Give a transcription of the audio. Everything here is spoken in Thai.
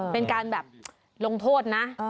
เป็นการแบบลงโทษนะ